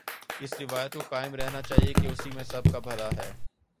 اس روایت کو قائم رہنا چاہیے کہ اسی میں سب کابھلا ہے۔